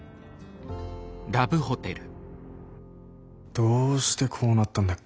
どうしてこうなったんだっけ？